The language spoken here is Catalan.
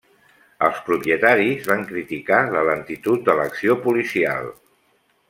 Els propietaris van criticar la lentitud de l'acció policial.